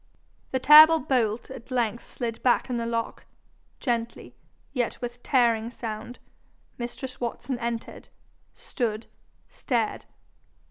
The terrible bolt at length slid back in the lock, gently, yet with tearing sound; mistress Watson entered, stood, stared.